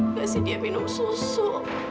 ngasih dia minum susu